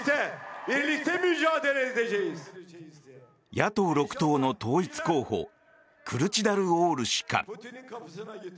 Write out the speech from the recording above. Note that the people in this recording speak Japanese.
野党６党の統一候補クルチダルオール氏か。